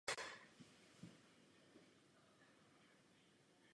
A jak vypadá jejich každodenní život?